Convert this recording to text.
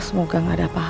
semoga dia gak ada apa apa